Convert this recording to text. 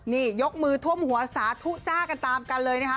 นี่ยกมือท่วมหัวสาธุจ้ากันตามกันเลยนะคะ